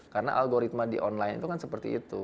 karena algoritma di online itu kan seperti itu